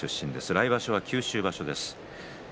来場所は九州場所です。